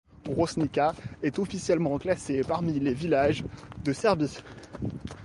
Grošnica est officiellement classée parmi les villages de Serbie.